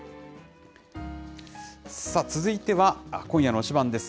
続いては今夜の推しバン！です。